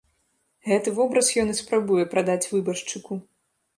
Гэты вобраз ён і спрабуе прадаць выбаршчыку.